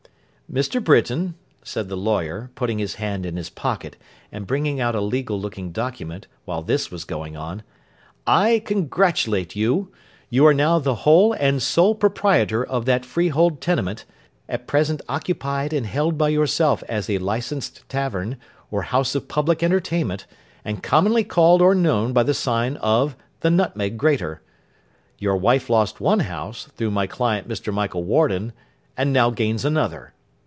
'Mr. Britain,' said the lawyer, putting his hand in his pocket, and bringing out a legal looking document, while this was going on, 'I congratulate you. You are now the whole and sole proprietor of that freehold tenement, at present occupied and held by yourself as a licensed tavern, or house of public entertainment, and commonly called or known by the sign of the Nutmeg Grater. Your wife lost one house, through my client Mr. Michael Warden; and now gains another.